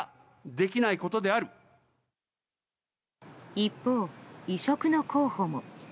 一方、異色の候補も。